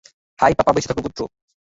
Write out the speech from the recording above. High, papa - বেঁচে থাকো, পুত্র।